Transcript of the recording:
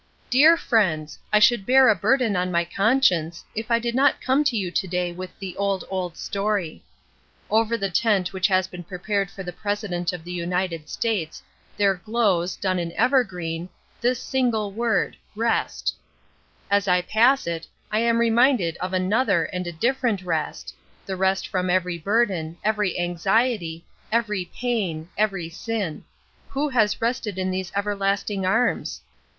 Dear Friends: I should bear a burden on my conscience, if I did not come to you to day with the 'old, old story.' "Over the tent which has been prepared for the President of the United States there glows, done in evergreen, this single word, 'rest.' "As I pass it, I am reminded of another and a different rest: the rest from every burden, every anxiety, every pain, every sin; who has rested in those everlasting arms?